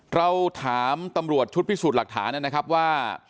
เราถามตำรวจชุดพิสูจน์หลักฐานนะครับว่า